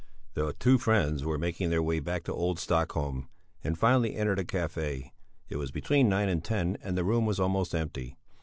The two friends were making their way back to old Stockholm, and finally entered a café. It was between nine and ten and the room was almost empty.